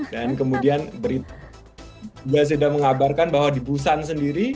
dan kemudian berita juga sedang mengabarkan bahwa di busan sendiri